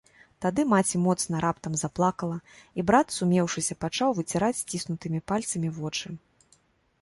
Тады маці моцна раптам заплакала, і брат, сумеўшыся, пачаў выціраць сціснутымі пальцамі вочы.